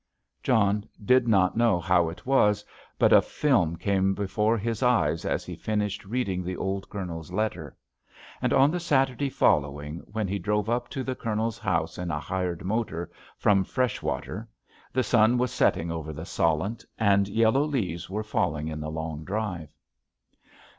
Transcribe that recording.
_" John did not know how it was, but a film came before his eyes as he finished reading the old Colonel's letter. And on the Saturday following, when he drove up to the Colonel's house in a hired motor, from Freshwater, the sun was setting over the Solent and yellow leaves were falling in the long drive.